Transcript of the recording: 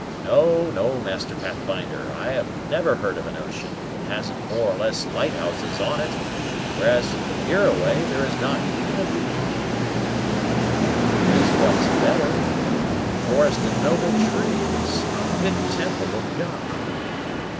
No, no, Master Pathfinder; I never heard of an ocean that hadn't more or less lighthouses on it; whereas, hereaway there is not even a beacon." "There is what is better, there is what is better; a forest and noble trees, a fit temple of God."